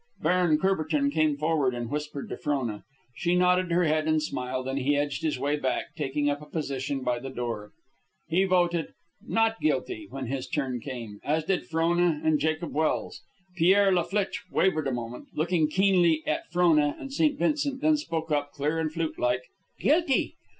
Baron Courbertin came forward and whispered to Frona. She nodded her head and smiled, and he edged his way back, taking up a position by the door. He voted "Not guilty" when his turn came, as did Frona and Jacob Welse. Pierre La Flitche wavered a moment, looking keenly at Frona and St. Vincent, then spoke up, clear and flute like, "Guilty."